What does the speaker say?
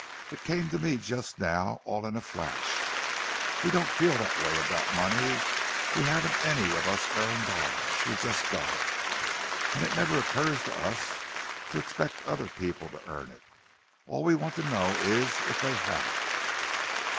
It came to me just now, all in a flash—we don't feel that way about money. We haven't any of us earned ours; we've just got it. And it never occurs to us to expect other people to earn it—all we want to know is if they have it."